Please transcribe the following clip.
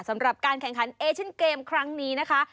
สำหรับการแข่งขันเอเชียนเกมครั้งนี้นะคะ